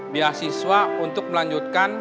beasiswa untuk melanjutkan